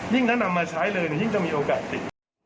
ถ้านำมาใช้เลยยิ่งจะมีโอกาสติด